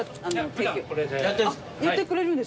やってくれるんですか？